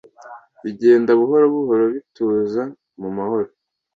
Bigenda buhoro buhoro bituza mu mahoro